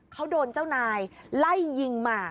เขาโดนเจ้านายไล่ยิงมา